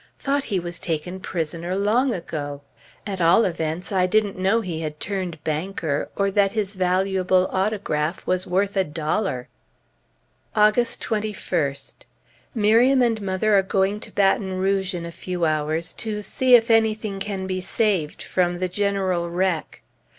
Thought he was taken prisoner long ago! At all events, I didn't know he had turned banker, or that his valuable autograph was worth a dollar! August 21st. Miriam and mother are going to Baton Rouge in a few hours, to see if anything can be saved from the general wreck.